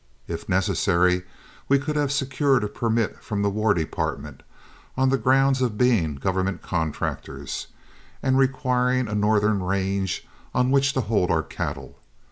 If necessary we could have secured a permit from the War Department, on the grounds of being government contractors and requiring a northern range on which to hold our cattle.